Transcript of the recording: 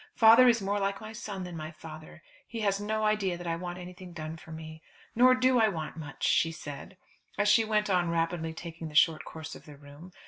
Father is more like my son than my father; he has no idea that I want anything done for me. Nor do I want much," she said, as she went on rapidly taking the short course of the room.